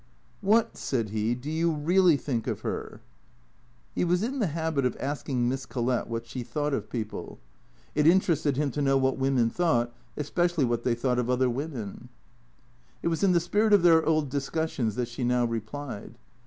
" What," said he, " do you really think of her ?" He was in the habit of asking Miss Collett what she thought of people. T H E C E E A T 0 R S 163 It interested him to know what women thought, especially what they thought of other women. It was in the spirit of their old discussions that she now replied.